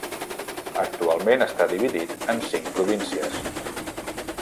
Actualment està dividit en cinc províncies.